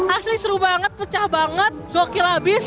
asli seru banget pecah banget gokil abis